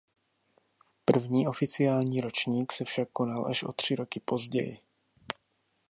První oficiální ročník se však konal až o tři roky později.